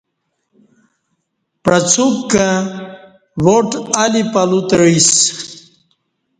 پعڅوک کں واٹ الی پلو تعیسہ